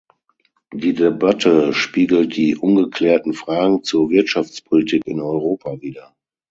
Die Debatte spiegelt die ungeklärten Fragen der Wirtschaftspolitik in Europa wider.